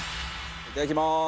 いただきます。